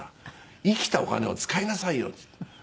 生きたお金を使いなさいよ」って言って。